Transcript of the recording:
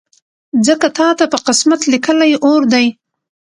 ځکه تاته په قسمت لیکلی اور دی